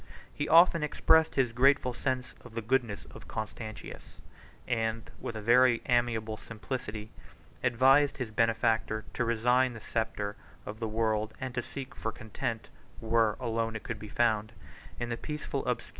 He often expressed his grateful sense of the goodness of Constantius, and, with a very amiable simplicity, advised his benefactor to resign the sceptre of the world, and to seek for content (where alone it could be found) in the peaceful obscurity of a private condition.